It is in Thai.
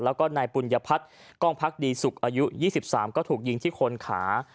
แล้วก็นายปุญญพัฒน์กล้องพักดีสุขอายุ๒๓ก็ถูกยิงที่คนขา